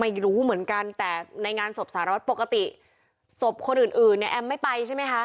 ไม่รู้เหมือนกันแต่ในงานศพสารวัตรปกติศพคนอื่นอื่นเนี่ยแอมไม่ไปใช่ไหมคะ